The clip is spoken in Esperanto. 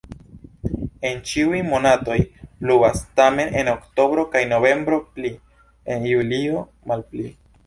En ĉiuj monatoj pluvas, tamen en oktobro kaj novembro pli, en julio malpli.